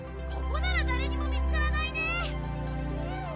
ここなら誰にも見つからないね。